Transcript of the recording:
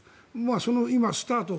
そのスタート